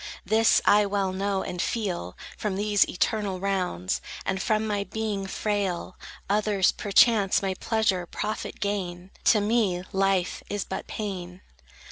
This I well know, and feel; From these eternal rounds, And from my being frail, Others, perchance, may pleasure, profit gain; To me life is but pain.